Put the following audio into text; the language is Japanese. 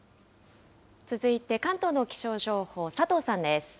続いて関東の気象情報、佐藤さんです。